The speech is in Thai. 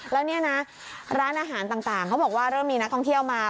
แล้วเนี่ยนะร้านอาหารต่างเขาบอกว่าเริ่มมีนักท่องเที่ยวมา